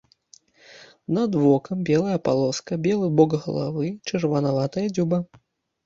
Над вокам белая палоска, белы бок галавы, чырванаватая дзюба.